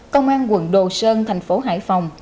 công an quận đồ sơn thành phố hải phòng